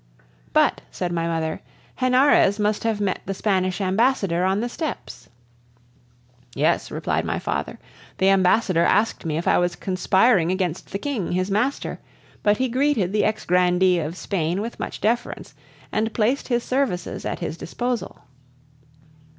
"But," said my mother, "Henarez must have met the Spanish ambassador on the steps?" "Yes," replied my father, "the ambassador asked me if I was conspiring against the King, his master; but he greeted the ex grandee of Spain with much deference, and placed his services at his disposal."